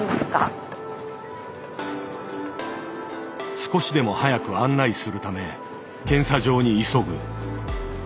少しでも早く案内するため検査場に急ぐ。